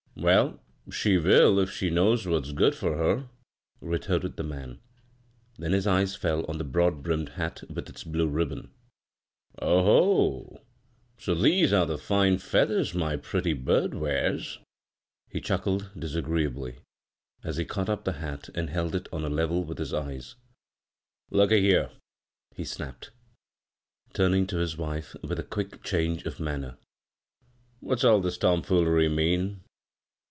" Well, she will if she knows what* s good for her," retorted the man ; then his eyes fell on the broad brimmed hat with its blue rib bons. " Oh, ho 1 so these are the fine feath ers my pretty bird wears I " he chuckled dis agreeably, as he caught up the hat and held it on a level with his eyes. " Look a here," he snapf)ed,, turning to his wife with a quick change of manner. " What's all this tom foolery mean?"